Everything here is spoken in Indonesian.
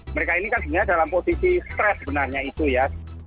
mereka ini kan sebenarnya dalam posisi stres sebenarnya itu ya